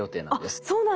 あっそうなんだ。